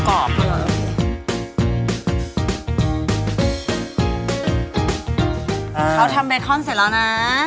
เขาทำเบคอนเสร็จแล้วนะ